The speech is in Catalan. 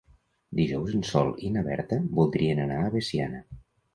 Dijous en Sol i na Berta voldrien anar a Veciana.